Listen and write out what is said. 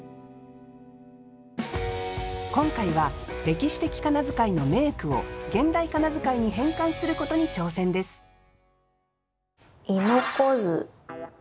今回は歴史的仮名遣いの名句を現代仮名遣いに変換することに挑戦です「ゐのこづ」。